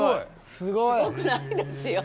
すごくないですよ。